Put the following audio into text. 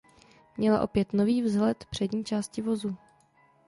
Měla opět nový vzhled přední části vozu.